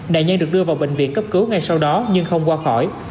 nạn nhân được đưa vào bệnh viện cấp cứu ngay sau đó nhưng không qua khỏi